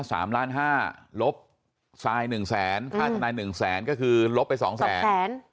ถ้า๓ล้าน๕ลบซาย๑แสนค่าทนาย๑แสนก็คือลบไป๒แสน